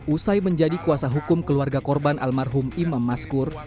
usai menjadi kuasa hukum keluarga korban almarhum imam maskur